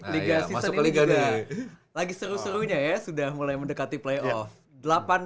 liga season ini juga lagi seru serunya ya sudah mulai mendekati play off